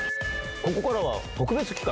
ここからは特別企画。